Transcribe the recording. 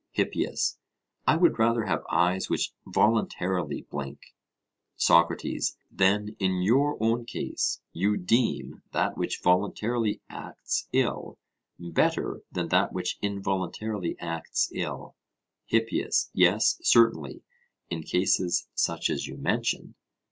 HIPPIAS: I would rather have eyes which voluntarily blink. SOCRATES: Then in your own case you deem that which voluntarily acts ill, better than that which involuntarily acts ill? HIPPIAS: Yes, certainly, in cases such as you mention.